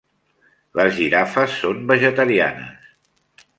Les girafes són vegetarianes.